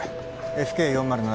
ＦＫ４０７